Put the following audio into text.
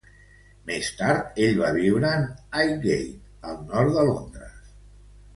Més tard ell va viure en Highgate, al nord de Londres.